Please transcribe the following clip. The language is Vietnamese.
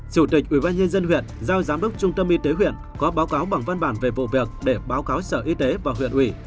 chủ tịch ubnd huyện giao giám đốc trung tâm y tế huyện có báo cáo bằng văn bản về vụ việc để báo cáo sở y tế và huyện ủy